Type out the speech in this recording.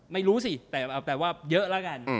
ไม่รู้สิแต่ว่าเยอะแล้วกัน